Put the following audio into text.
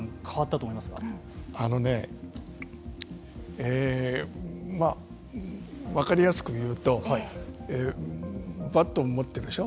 あのねまあ分かりやすく言うとバットを持っているでしょう。